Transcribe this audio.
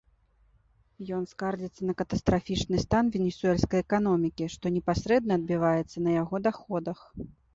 Ён скардзіцца на катастрафічны стан венесуэльскай эканомікі, што непасрэдна адбіваецца на яго даходах.